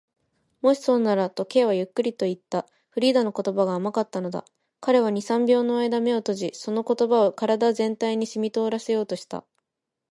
「もしそうなら」と、Ｋ はゆっくりといった。フリーダの言葉が甘かったのだ。彼は二、三秒のあいだ眼を閉じ、その言葉を身体全体にしみとおらせようとした。